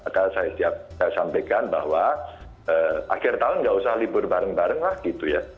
karena saya sampaikan bahwa akhir tahun nggak usah libur bareng bareng lah gitu ya